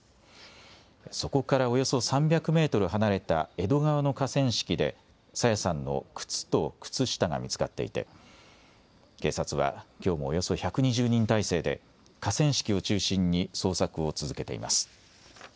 そこからおよそ３００メートル離れた江戸川の河川敷で、朝芽さんの靴と靴下が見つかっていて、警察は、きょうもおよそ１２０人態勢で、河川敷を中心に、捜索を続けています。